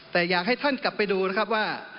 แต่อยากให้ท่านกลับไปดูนะครับว่า